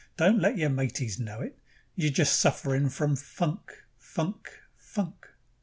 Don't let your mateys know it You're just sufferin' from funk, funk, funk.